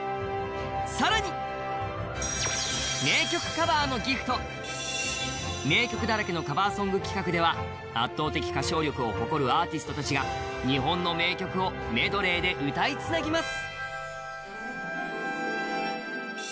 さらに名曲だらけのカバーソング企画では圧倒的歌唱力を誇るアーティストたちが日本の名曲をメドレーで歌いつなぎます！